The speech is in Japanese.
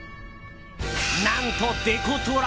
何とデコトラ！